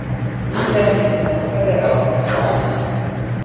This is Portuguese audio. intervenção federal no Estado